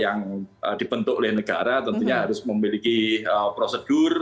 yang dibentuk oleh negara tentunya harus memiliki prosedur